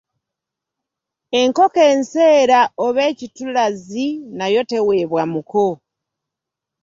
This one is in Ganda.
Enkoko enseera oba ekitulazi nayo teweebwa muko.